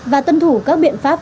và tuân thủ các biện pháp